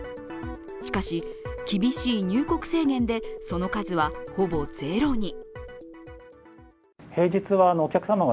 しかし、厳しい入国制限でその数はほぼゼロに。